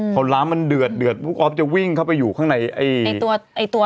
พร้อมล้ำมันเดือดลูกออสจะวิ่งเข้าไปอยู่ข้างในไอ้ตัว